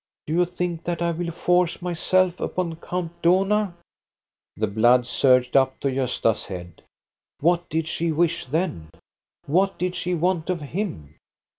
"Do you think that I will force myself upon Count Dohna?" The blood surged up to Gosta's head. What did she wish then? What did she want of him?